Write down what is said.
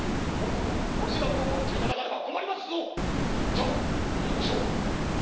さあまいりましょう！